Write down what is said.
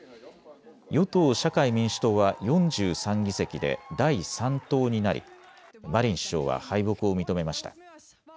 与党・社会民主党は４３議席で第３党になりマリン首相は敗北を認めました。